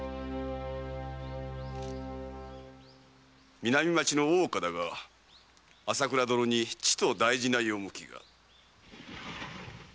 南町の大岡だが朝倉殿にちと大事な用向きが。